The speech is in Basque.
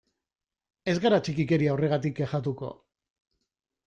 Ez gara txikikeria horregatik kexatuko.